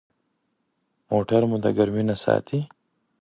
موټر مو د ګرمي نه ساتي.